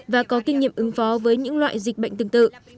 và có kinh nghiệm ứng phó với những loại dịch bệnh tương tự